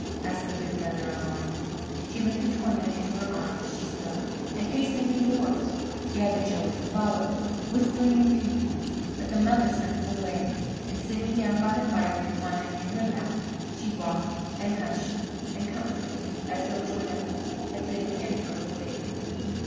asked the good mother alarmed. She lifted Toinette into her arms as she spoke, and hastened indoors. The other children followed, whispering and peeping, but the mother sent them away, and sitting down by the fire with Toinette in her lap, she rocked and hushed and comforted, as though Toinette had been again a little baby.